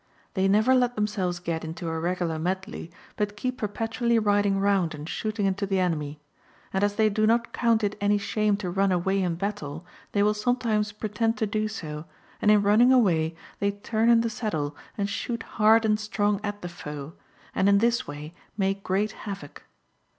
[They never let themselves get into a regular medley, but keep per petually riding round and shooting into the enemy. And] as they do not count it any shame to run away in battle, they will [sometimes pretend to] do . so, and in running away they turn in the saddle and shoot hard and strong at the foe, and in this way make great havoc.